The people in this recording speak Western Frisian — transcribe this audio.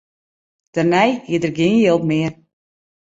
Dêrnei hie er gjin jild mear.